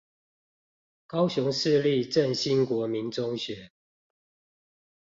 高雄市立正興國民中學